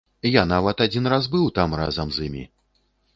Я нават адзін раз быў там разам з імі.